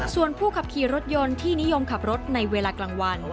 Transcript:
ส่วนผู้ขับขี่รถยนต์ที่นิยมขับรถในเวลากลางวัน